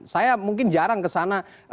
saya mungkin jarang kesana